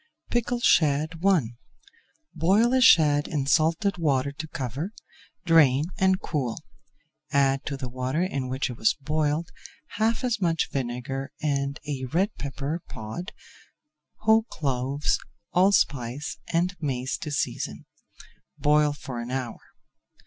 PICKLED SHAD I Boil a shad in salted water to cover, drain and cool. Add to the water in which it was boiled half as much vinegar and a red pepper pod, whole cloves, allspice, and mace to season. Boil for an hour.